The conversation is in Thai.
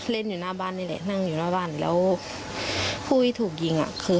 เล่นอยู่หน้าบ้านนี่แหละนั่งอยู่หน้าบ้านแล้วผู้ที่ถูกยิงอ่ะคือ